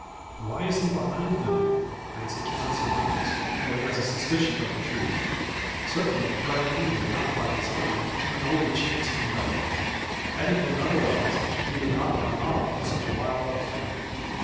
Why he is behind them, Clancy cannot surmise; though he has a suspicion of the truth. Certainly Darke came not there by any design, but only chance conducted. Had it been otherwise, he would not have gone off in such wild affright.